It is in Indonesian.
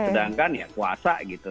sedangkan ya puasa gitu